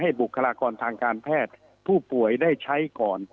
บุคลากรทางการแพทย์ผู้ป่วยได้ใช้ก่อน